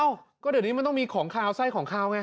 ก็เดี๋ยวนี้มันต้องมีของขาวไส้ของขาวไง